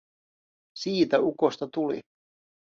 Siitä ukosta tuli.